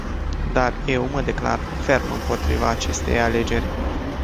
Dar eu mă declar ferm împotriva acestei alegeri.